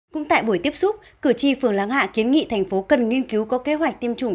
cũng tại buổi tiếp xúc cử tri phường láng hạ kiến nghị thành phố cần nghiên cứu có kế hoạch tiêm chủng